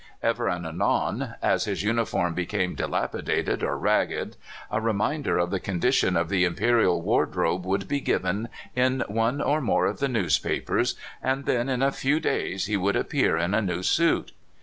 Ever and anon, as his uniform became dilapidated or ragged, a reminder of the condition of the imperial wardrobe would be given in one or more of the newspapers, and then in a few days he would appear in a new suit.